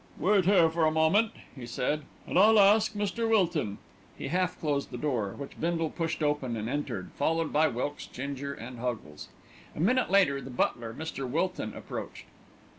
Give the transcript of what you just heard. "Wait here a moment," he said, "and I'll ask Mr. Wilton." He half closed the door, which Bindle pushed open and entered, followed by Wilkes, Ginger and Huggles. A minute later, the butler, Mr. Wilton, approached.